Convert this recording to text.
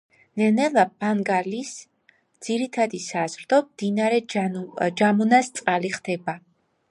ნელ-ნელა ბანგალის ძირითადი საზრდო მდინარე ჯამუნას წყალი ხდება.